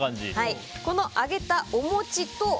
この揚げたおもちと。